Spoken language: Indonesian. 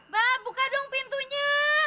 ma buka dong pintunya